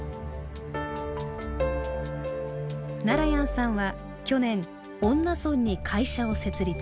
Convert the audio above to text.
ナラヤンさんは去年恩納村に会社を設立。